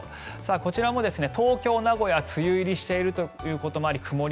こちらも東京、名古屋梅雨入りしているということもあり曇り